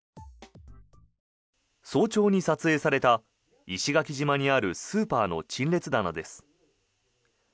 早朝に撮影された石垣島にあるスーパーの陳列棚です。